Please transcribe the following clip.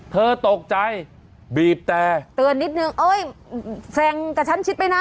เธอตกใจบีบแต่เตือนนิดนึงเอ้ยแซงกระชั้นชิดไปนะ